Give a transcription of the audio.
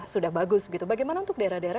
sudah bagus gitu bagaimana untuk daerah daerah